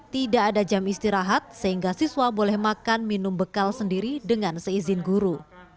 tidak ada jam istirahat sehingga siswa boleh makan minum bekal sendiri dengan seizin guru